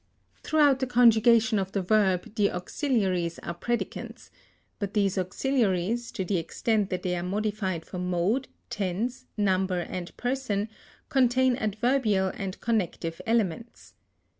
Throughout the conjugation of the verb the auxiliaries are predicants, but these auxiliaries, to the extent that they are modified for mode, tense, number, and person, contain adverbial and connective elements.